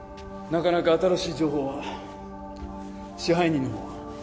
なかなか新しい情報は支配人のほうは？